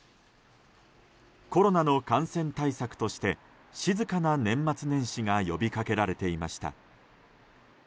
コロナの感染対策として静かな年末年始が呼びかけられていました。